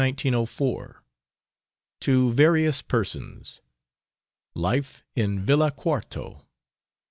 LETTERS OF 1904. TO VARIOUS PERSONS. LIFE IN VILLA QUARTO.